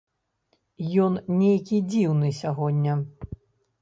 Ён нейкі дзіўны сягоння.